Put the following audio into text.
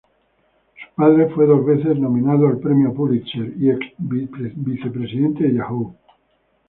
Su padre fue dos veces nominado al premio Pulitzer y ex vicepresidente de Yahoo!